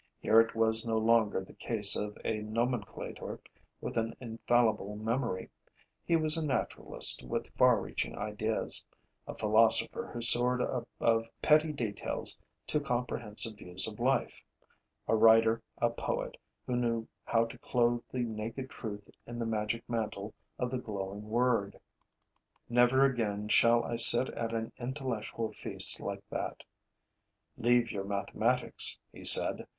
Here it was no longer the case of a nomenclator with an infallible memory: he was a naturalist with far reaching ideas, a philosopher who soared above petty details to comprehensive views of life, a writer, a poet who knew how to clothe the naked truth in the magic mantle of the glowing word. Never again shall I sit at an intellectual feast like that: 'Leave your mathematics,' he said.